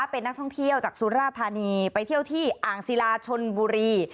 เป็นนักท่องเที่ยวจากสุราธานีไปเที่ยวที่อ่างศิลาชนบุรี